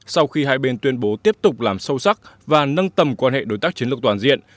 sau khi hai bên tuyên bố tiếp tục làm sâu sắc và nâng tầm quan hệ đối tác chiến lược toàn diện